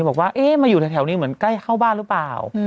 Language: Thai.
บอกว่ามาอยู่แถวนี้เหมือนใกล้เข้าบ้านหรือเปล่า